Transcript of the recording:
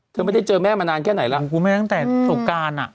เธอไม่ได้เจอแม่มานานแค่ไหนล่ะ